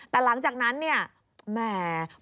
แต่หลังจากนั้นเนี่ยแหม